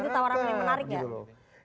tapi itu tawaran yang menarik ya